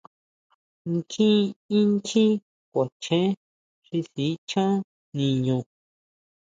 Nkjín inchjín kuachen xi sichán niñu.